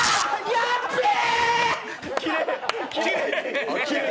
やっべー！